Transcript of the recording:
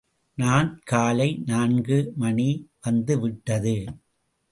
Not காலை நான்கு மணி வந்து விட்டது.